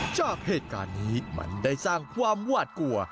จากเหตุการณ์นี้มันได้สร้างความหวาดกลัว